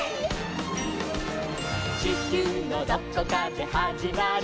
「ちきゅうのどこかではじまる」